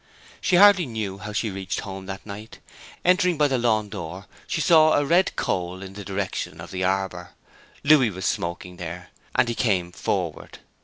She hardly knew how she reached home that night. Entering by the lawn door she saw a red coal in the direction of the arbour. Louis was smoking there, and he came forward.